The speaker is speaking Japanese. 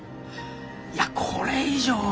いやこれ以上は。